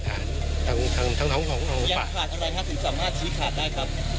ทั้งของปากยังขาดอะไรครับถึงสามารถชี้ขาดได้ครับ